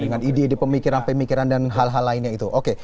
dengan ide ide pemikiran pemikiran dan hal hal lainnya itu oke